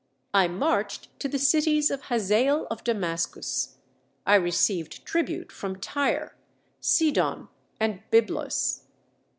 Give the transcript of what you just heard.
I marched to the cities of Hazael of Damascus. I received tribute from Tyre, Sidon, and Byblus."